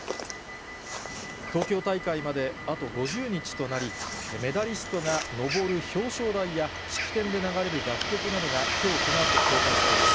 東京大会まであと５０日となり、メダリストが上る表彰台や、式典で流れる楽曲などがきょう、このあと公開されます。